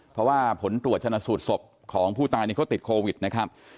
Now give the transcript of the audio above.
เพราะว่าผลตรวจชนะสูตรศพของผู้ตายเขาติดโควิดนะครับ